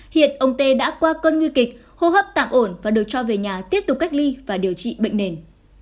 hiện ông tê đã qua cơn nguy kịch hô hấp tạm ổn và được cho về nhà tiếp tục cách ly và điều trị bệnh nền